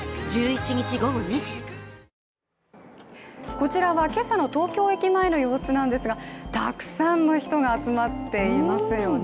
こちらは今朝の東京駅前の様子なんですがたくさんの人が集まっていますよね。